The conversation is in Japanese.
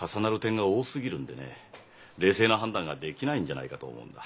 冷静な判断ができないんじゃないかと思うんだ。